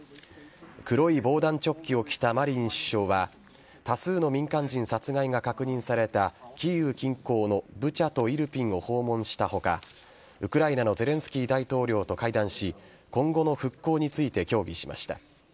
黒い防弾チョッキを着たマリン首相は多数の民間人殺害が確認されたキーウ近郊のブチャとイルピンを訪問した他ウクライナのゼレンスキー大統領と会談し今後の復興について協議しました。